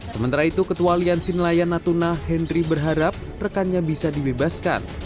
sementara itu ketua aliansi nelayan natuna henry berharap rekannya bisa dibebaskan